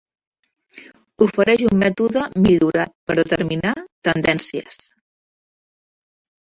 Ofereix un mètode millorat per determinar tendències.